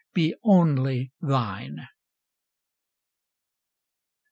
be only thine.